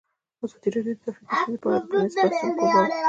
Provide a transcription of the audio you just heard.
ازادي راډیو د ټرافیکي ستونزې په اړه د پرانیستو بحثونو کوربه وه.